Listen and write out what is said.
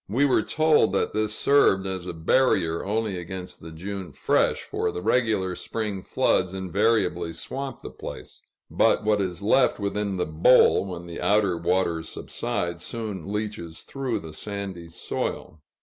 We were told that this served as a barrier only against the June "fresh," for the regular spring floods invariably swamp the place; but what is left within the bowl, when the outer waters subside, soon leaches through the sandy soil.